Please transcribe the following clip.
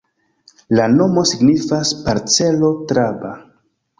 La nomo signifas parcelo-traba.